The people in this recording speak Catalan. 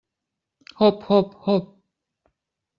Hop, hop, hop!